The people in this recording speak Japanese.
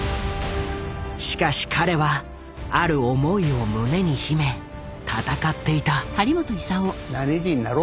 しかし彼はある思いを胸に秘め戦っていた。